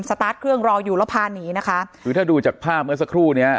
ตาร์ทเครื่องรออยู่แล้วพาหนีนะคะคือถ้าดูจากภาพเมื่อสักครู่เนี้ย